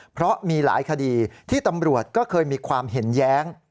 เพราะมีหลายคดีที่ตำรวจก็เคยมีความเห็นแย้ง